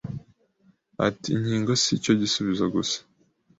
Ati Inkingo si cyo gisubizo gusa.